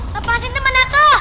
lepasin temen aku